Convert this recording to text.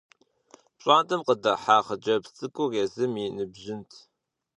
ПщIантIэм къыдыхьа хъыджэбз цIыкIур езым и ныбжьынт.